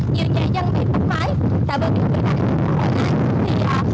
nhiều nhà dân bị tốc mái tạo vấn đề về đại dịch của hội an